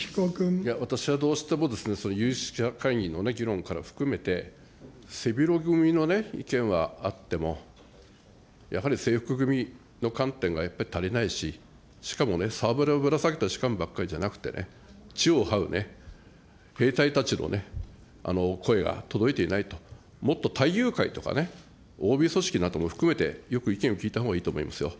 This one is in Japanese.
いや、私はどうしても、その有識者会議の議論から含めて、背広組の意見はあっても、やはり制服組の観点がやっぱり足りないし、しかもね、サーベルをぶらさげた士官ばっかりじゃなくて、地をはうね、兵隊たちの声が届いていないと、もっと隊友会とかね、ＯＢ組織なども含めてよく意見を聞いたほうがいいと思いますよ。